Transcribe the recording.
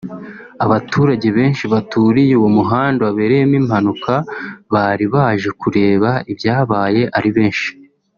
Abaturage benshi baturiye uwo muhanda wabereyemo impanuka bari baje kureba ibyabaye ari benshi